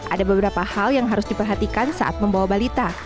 ada beberapa hal yang harus diperhatikan saat membawa balita